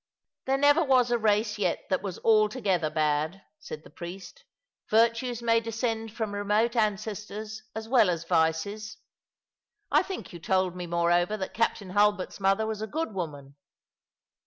" There never was a race yet that was altogether bad/' said the priest. " Virtues may descend from remote ancestors as well as vices, — I think you told me moreover that Captain Hulbert's mother was a good woman."